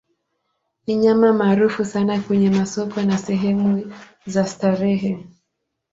Ni nyama maarufu sana kwenye masoko na sehemu za starehe.